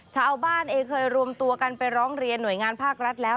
ชาวบ้านเองเคยรวมตัวกันไปร้องเรียนหน่วยงานภาครัฐแล้ว